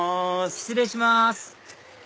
失礼します